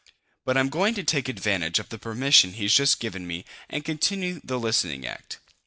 "But I'm going to take advantage of the permission he's just given me and continue the listening act.